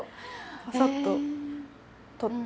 バサッと取って。